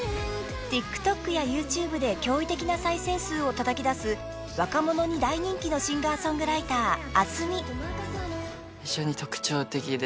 ［ＴｉｋＴｏｋやＹｏｕＴｕｂｅで驚異的な再生数をたたき出す若者に大人気のシンガーソングライターａｓｕｍｉ］